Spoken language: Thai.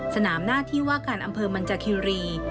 หน้าที่ว่าการอำเภอมันจาคิรี